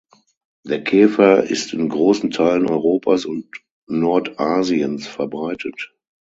Der Käfer ist in großen Teilen Europas und Nordasiens verbreitet.